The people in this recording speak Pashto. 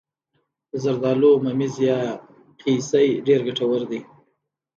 د زردالو ممیز یا قیسی ډیر ګټور دي.